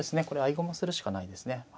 これ合駒するしかないですね。